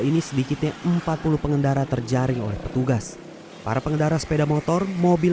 ini sedikitnya empat puluh pengendara terjaring oleh petugas para pengendara sepeda motor mobil